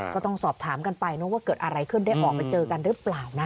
ก็ต้องสอบถามกันไปว่าเกิดอะไรขึ้นได้ออกไปเจอกันหรือเปล่านะ